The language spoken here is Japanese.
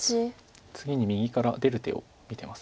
次に右から出る手を見てます。